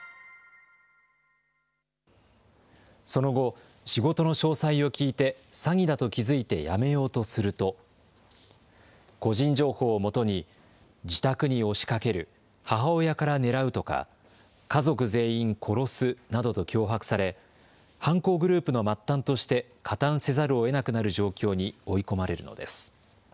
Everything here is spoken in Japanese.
その後、仕事の詳細を聞いて、詐欺だと気付いてやめようとすると、個人情報をもとに、自宅に押しかける、母親から狙うとか、家族全員殺すなどと脅迫され、犯行グループの末端として加担せざるをえなくなる状況に追い込まれるのです。